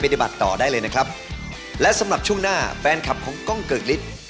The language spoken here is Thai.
เอาได้ที่บอลเราไม่อดทน